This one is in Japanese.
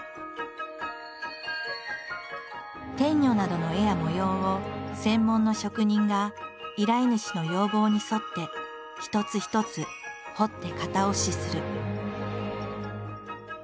天女などの絵や模様を専門の職人が依頼主の要望に沿って一つ一つ彫って型押しする。